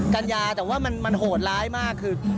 กัญญาแต่ว่ามันโหดร้ายมากคือ